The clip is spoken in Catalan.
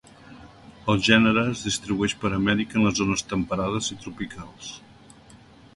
El gènere es distribueix per Amèrica en les zones temperades i tropicals.